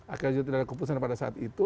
akhirnya tidak ada keputusan pada saat itu